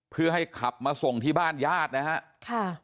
เพื่อให้ขับมาส่งที่บ้านญาตินะครับ